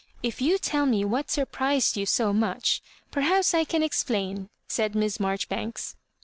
" If you tell mo what surprised you so much, perhaps I can ex plain," said Miss Marjoribanks.